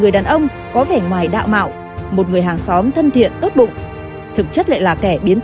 xin kính chào tạm biệt